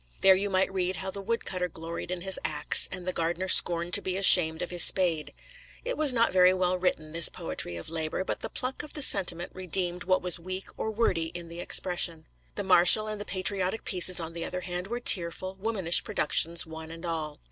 There you might read how the wood cutter gloried in his axe, and the gardener scorned to be ashamed of his spade. It was not very well written, this poetry of labour, but the pluck of the sentiment redeemed what was weak or wordy in the expression. The martial and the patriotic pieces, on the other hand, were tearful, womanish productions one and all.